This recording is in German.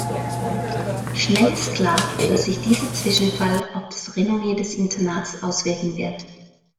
Schnell ist klar, dass sich dieser Zwischenfall auf das Renommee des Internats auswirken wird.